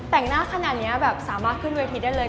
แต่งหน้าขนาดนี้แบบสามารถขึ้นเวทีได้เลย